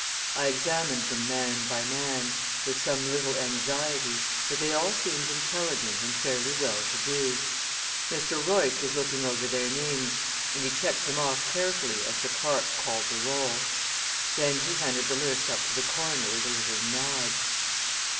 I examined them, man by man, with some little anxiety, but they all seemed intelligent and fairly well to do. Mr. Royce was looking over their names, and he checked them off carefully as the clerk called the roll. Then he handed the list up to the coroner with a little nod.